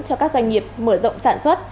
cho các doanh nghiệp mở rộng sản xuất